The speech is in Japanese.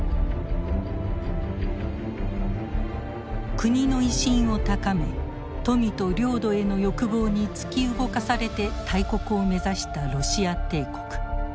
国の威信を高め富と領土への欲望に突き動かされて大国を目指したロシア帝国。